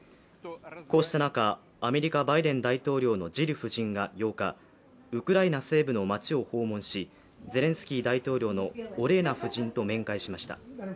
こうした中、アメリカバイデン大統領のジル夫人が８日ウクライナ西部の街を訪問しゼレンスキー大統領のオレーナ夫人と面会しました。